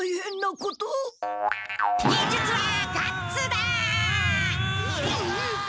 忍術はガッツだ！